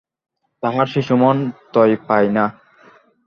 তাহার শিশুমন থই পায় না।